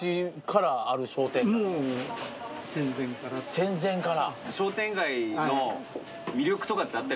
戦前から。